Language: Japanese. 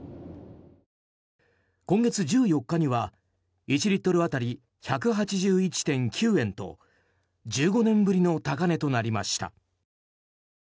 今月１４日には１リットル当たり１８１．９円と１５年ぶりの高値となりました。